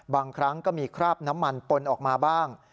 บางครั้งก็มีคราบน้ำมันปนออกมาบ้าง